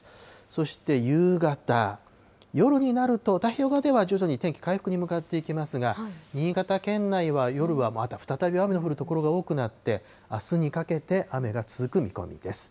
そして夕方、夜になると、太平洋側では徐々に天気、回復に向かっていきますが、新潟県内は夜はまた再び雨が降る所が多くなって、あすにかけて雨が続く見込みです。